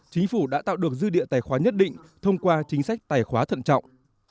chính phủ đã tạo được dư địa tài khoá nhất định thông qua chính sách tài khoá thận trọng